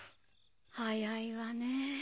早いわねぇ。